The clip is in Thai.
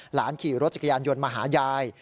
หลานขี่รถจักรยานยนต์มาหายาย